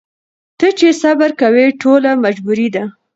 ته چي صبر کوې ټوله مجبوري ده